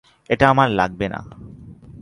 এটা আমার লাগবে না।